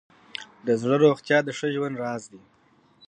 د زړه روغتیا د ښه ژوند راز دی.